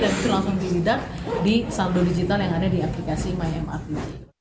dan itu langsung di didak di saldo digital yang ada di aplikasi mymrtj